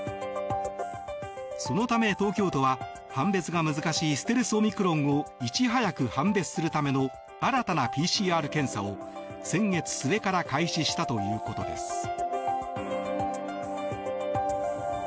そのため東京都は、判別が難しいステルスオミクロンをいち早く判別するための新たなＰＣＲ検査を先月末から開始したということです。